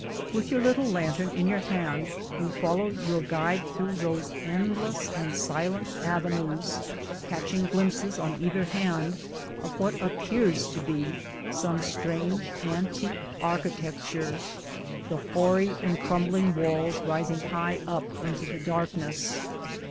With your little lantern in your hand, you follow your guide through those end less and silent avenues, catching glimpses on either hand of what appears to be some strange antique architecture, the hoary and crumbling walls rising high up into the darkness.